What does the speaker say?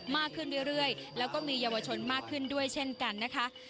มากขึ้นเรื่อยแล้วก็มีเยาวชนมากขึ้นด้วยเช่นกันนะคะ